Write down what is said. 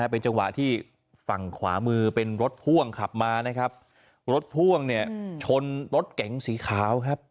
เป็นจังหวะที่ฝั่งขวามือเป็นรถพ่วงขับมานะครับรถพ่วงเนี่ยชนรถเก๋งสีขาวครับ